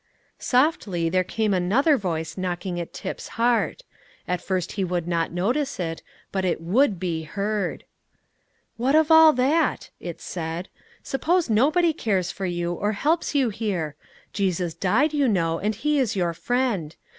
Softly there came another voice knocking at Tip's heart. At first he would not notice it, but it would be heard. "What of all that?" it said; "suppose nobody cares for you, or helps you here. Jesus died, you know, and He is your friend.